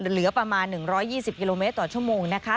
เหลือประมาณ๑๒๐กิโลเมตรต่อชั่วโมงนะคะ